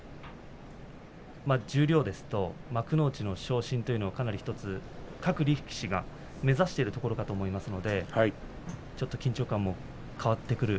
十両ですと幕内の昇進というのを各力士が目指しているところがありますので、ちょっと緊張感が変わってくる。